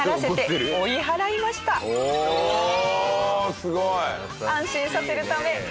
すごい！